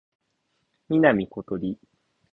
南ことり